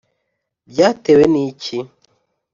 byatewe n’iki?